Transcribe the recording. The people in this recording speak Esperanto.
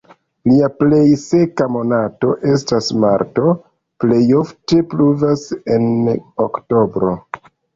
Lia plej seka monato estas marto, plej ofte pluvas en oktobro.